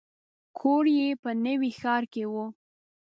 کور یې په نوي ښار کې و.